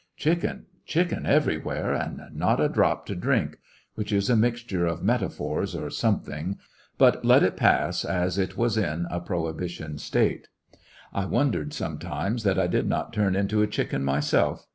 Chicken, chicken everywhere, and not a drop to drink ! —which is a mixture of met aphors, or something 5 but let it pass, as it was in a prohibition State! I wondered sometimes that I did not turn into a chicken myself.